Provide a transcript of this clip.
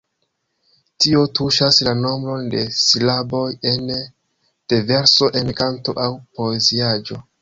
Tio tuŝas la nombron de silaboj ene de verso en kanto aŭ poeziaĵo.